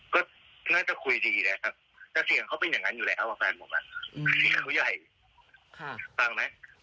ก็น่าจะคุยดีนะครับแต่เสียงเขาเป็นอย่างนั้นอยู่แล้วกับแฟนผมที่เขาใหญ่ฟังไหม